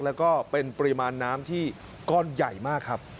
แล้วก็เป็นปริมาณน้ำที่ก้อนใหญ่มากครับ